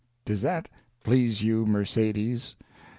Does that please you, Mercedes?